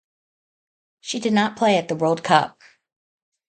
She did not play at the World Cup.